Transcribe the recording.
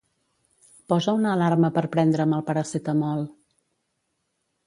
Posa una alarma per prendre'm el Paracetamol.